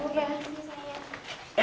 terima kasih ya